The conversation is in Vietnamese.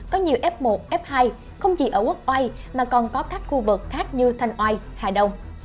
có nhiều f một f hai không chỉ ở quốc oai mà còn có các khu vực khác như thanh oai hà đông